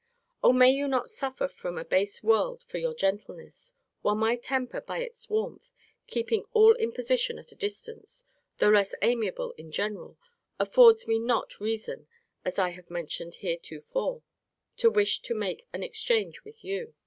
O may you not suffer from a base world for your gentleness; while my temper, by its warmth, keeping all imposition at a distance, though less amiable in general, affords me not reason, as I have mentioned heretofore, to wish to make an exchange with you!